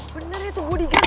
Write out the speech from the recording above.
bener ya tuh gue digat